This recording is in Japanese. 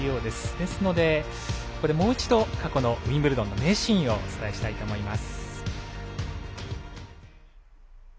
ですので、もう一度過去のウィンブルドンの名シーンをお伝えしたいと思います。